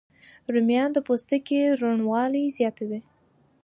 رومیان د پوستکي روڼوالی زیاتوي